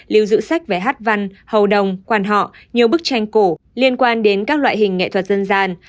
lưu giữ sách về hát văn hầu đồng quan họ nhiều bức tranh cổ liên quan đến các loại hình nghệ thuật dân gian